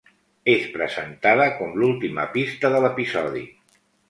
És presentada com l'última pista de l'Episodi.